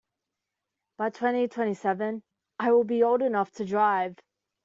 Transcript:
In twenty-twenty-seven I will old enough to drive.